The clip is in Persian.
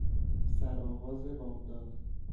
سرآغاز بامداد